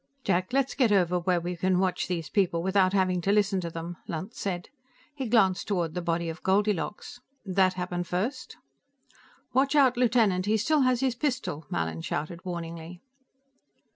"Jack, let's get over where we can watch these people without having to listen to them," Lunt said. He glanced toward the body of Goldilocks. "That happen first?" "Watch out, Lieutenant! He still has his pistol!" Mallin shouted warningly.